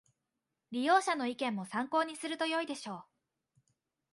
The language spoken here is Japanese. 利用者の意見も参考にするとよいでしょう